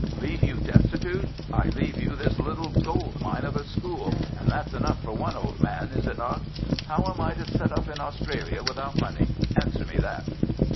"Leave you destitute! I leave you this little goldmine of a school, and that's enough for one old man, is it not? How am I to set up in Australia without money? Answer me that!"